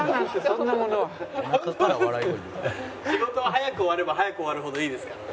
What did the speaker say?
仕事は早く終われば早く終わるほどいいですから。